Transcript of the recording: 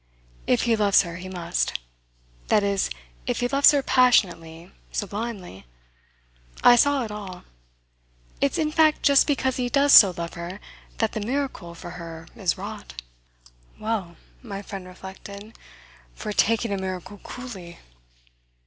"If he loves her he must. That is if he loves her passionately, sublimely." I saw it all. "It's in fact just because he does so love her that the miracle, for her, is wrought." "Well," my friend reflected, "for taking a miracle coolly